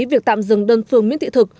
việc tạm dừng đơn phương miễn thị thực